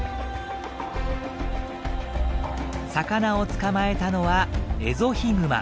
魚を捕まえたのはエゾヒグマ。